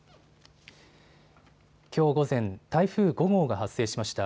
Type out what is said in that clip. きょう午前、台風５号が発生しました。